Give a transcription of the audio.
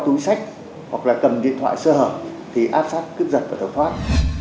có túi sách hoặc là cầm điện thoại sơ hợp thì áp sát cướp giật và thẩm thoát